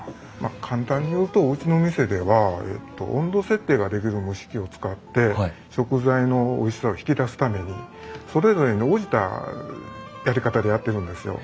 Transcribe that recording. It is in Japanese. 簡単に言うとうちの店では温度設定ができる蒸し器を使って食材のおいしさを引き出すためにそれぞれに応じたやり方でやってるんですよ。